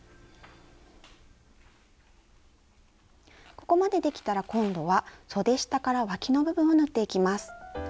ここまでできたら今度はそで下からわきの部分を縫っていきます。